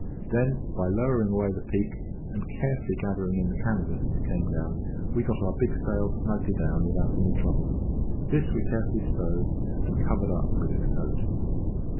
Then, by lowering away the peak, and carefully gathering in the canvas as it came down, we got our big sail snugly down without any trouble. This we carefully stowed and covered up with its coat.